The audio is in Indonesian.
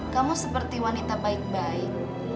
kamu seperti wanita baik baik